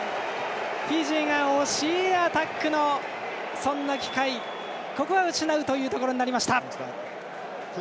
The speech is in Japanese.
フィジーが、惜しいアタックのそんな機会ここは失うということになりました。